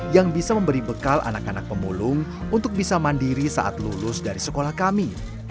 yang bisa memberi bekal anak anak pemulung untuk bisa mandiri saat lulus dari sekolah kami